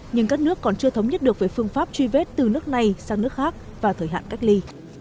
nhưng các nước còn chưa thống nhất được về phương pháp truy vết từ nước này sang nước khác và thời hạn cách ly